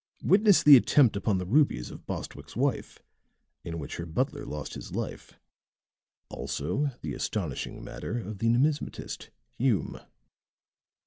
Witness the attempt upon the rubies of Bostwick's wife, in which her butler lost his life; also the astonishing matter of the numismatist Hume.